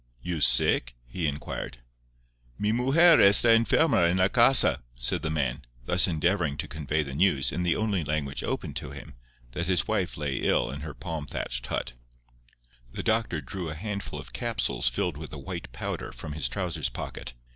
"You sick?" he inquired. "Mi mujer está enferma en la casa," said the man, thus endeavouring to convey the news, in the only language open to him, that his wife lay ill in her palm thatched hut. The doctor drew a handful of capsules filled with a white powder from his trousers pocket.